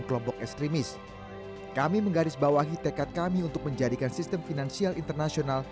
kami menggarisbawahi tekad kami untuk menjadikan sistem finansial internasional